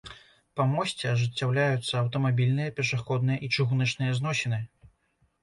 Па мосце ажыццяўляюцца аўтамабільныя, пешаходныя і чыгуначныя зносіны.